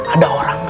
ada orang gak